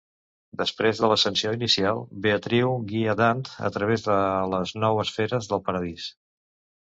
Després de l'ascensió inicial, Beatriu guia Dant a través de les nou esferes del Paradís.